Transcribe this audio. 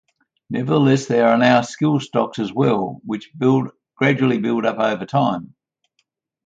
Nevertheless, there are now Skill Stocks as well, which gradually build up over time.